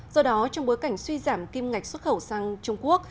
do đó trong bối cảnh suy giảm kim ngạch xuất khẩu sang trung quốc